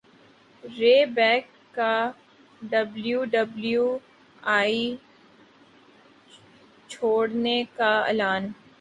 رے بیک کا W W E چھوڑنے کا اعلان